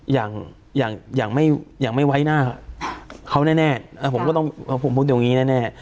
อย่างอย่างอย่างไม่อย่างไม่ไว้หน้าเขาแน่แน่แล้วผมก็ต้องผมพูดอย่างงี้แน่แน่